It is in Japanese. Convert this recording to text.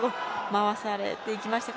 回されていきました。